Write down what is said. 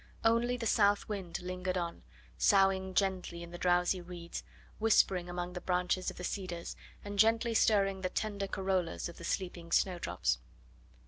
Only the south wind lingered on, soughing gently in the drowsy reeds, whispering among the branches of the cedars, and gently stirring the tender corollas of the sleeping snowdrops.